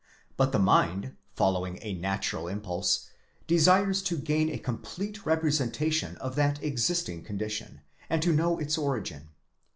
But the mind, following a natural impulse, desires to gain a complete representation of that existing condition, and to know its origin.